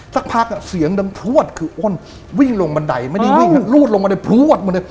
ซักพักเสียงดังพวดคืออ้อนวิ่งลงบันดัยไม่ได้ลูดลงมาด้วยพวด